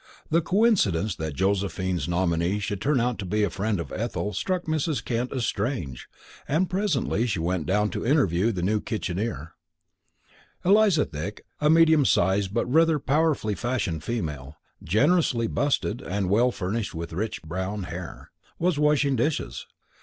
The coincidence that Josephine's nominee should turn out to be a friend of Ethel struck Mrs. Kent as strange, and presently she went down to interview the new kitcheneer. Eliza Thick, a medium sized but rather powerfully fashioned female, generously busted and well furnished with rich brown hair, was washing the dishes.